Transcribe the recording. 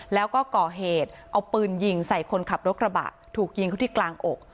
แล้วก็ก่อเหตุเอาปืนยิงใส่คนขับรถกระบะถูกยิงเขาที่กลางอก